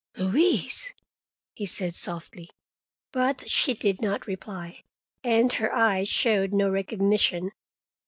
"Louise!" he said softly; but she did not reply, and her eyes showed no recognition.